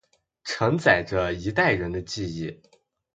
承载着一代人的记忆